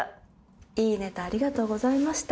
いいネタありがとうございました。